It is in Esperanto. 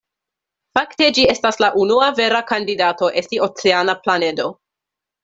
Fakte ĝi estas la unua vera kandidato esti oceana planedo.